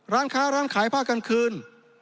ร้านค้าร้านขายผ้ากลางคืน